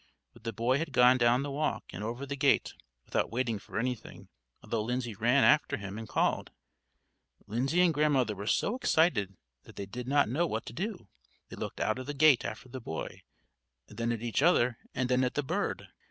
But the boy had gone down the walk and over the gate without waiting for anything, although Lindsay ran after him and called. Lindsay and Grandmother were so excited that they did not know what to do. They looked out of the gate after the boy, then at each other, and then at the bird.